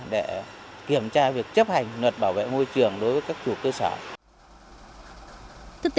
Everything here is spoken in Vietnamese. để kiểm tra việc chấp hành luật bảo vệ môi trường đối với các chủ cơ sở